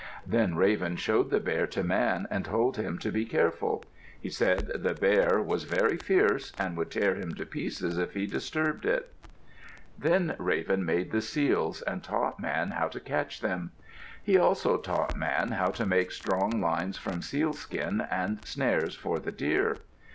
Then Raven showed the bear to Man and told him to be careful. He said the bear was very fierce and would tear him to pieces if he disturbed it. Then Raven made the seals, and taught Man how to catch them. He also taught Man how to make strong lines from sealskin, and snares for the deer.